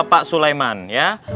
bapak sulayman ya